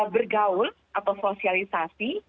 bergaul atau sosialisasi